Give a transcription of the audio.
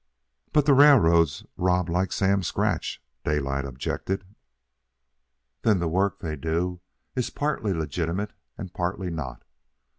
"But the railroads rob like Sam Scratch," Daylight objected. "Then the work they do is partly legitimate and partly not.